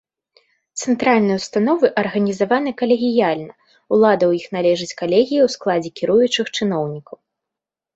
Цэнтральныя ўстановы арганізаваны калегіяльна, улада ў іх належыць калегіі ў складзе кіруючых чыноўнікаў.